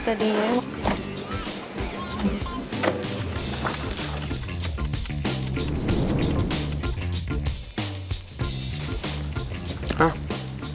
ฉันไม่รู้ว่านี่ไหม